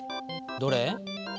どれ？